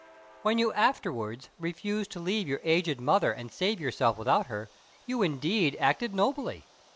When you afterwards refused to leave your aged mother and save yourself without her, you indeed acted nobly.